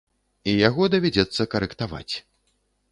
І яго давядзецца карэктаваць.